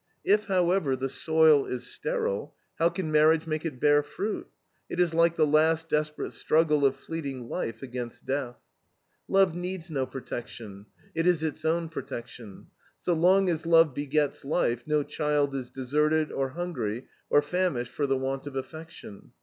If, however, the soil is sterile, how can marriage make it bear fruit? It is like the last desperate struggle of fleeting life against death. Love needs no protection; it is its own protection. So long as love begets life no child is deserted, or hungry, or famished for the want of affection.